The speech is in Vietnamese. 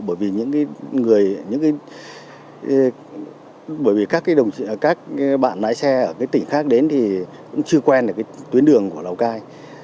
bởi vì các bạn lái xe ở tỉnh khác đến thì chưa quen được tuyến đường của lào cai